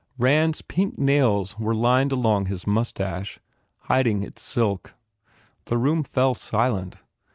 Rand s pink nails were lined along his moustache, hiding its silk. The room fell silent.